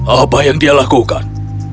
apa yang dia lakukan